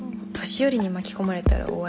年寄りに巻き込まれたら終わり。